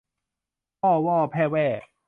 พ่อว่อแพ่แว่